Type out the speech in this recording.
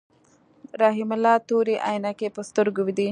رحیم الله تورې عینکی په سترګو دي.